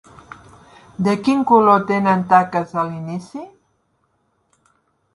De quin color tenen taques a l'inici?